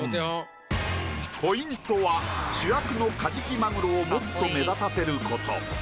ポイントは主役のカジキマグロをもっと目立たせること。